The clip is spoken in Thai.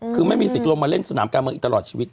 คือไม่มีสิทธิ์ลงมาเล่นสนามการเมืองอีกตลอดชีวิต